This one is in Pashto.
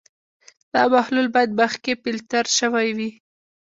دا محلول باید مخکې فلټر شوی وي.